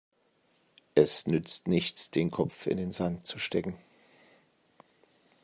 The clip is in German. Es nützt nichts, den Kopf in den Sand zu stecken.